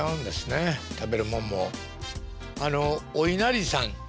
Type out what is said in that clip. あのおいなりさん